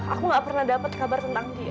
aku gak pernah dapat kabar tentang diri